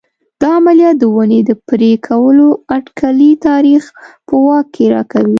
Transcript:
دا عملیه د ونې د پرې کولو اټکلي تاریخ په واک کې راکوي